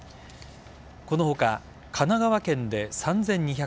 この他、神奈川県で３２３４人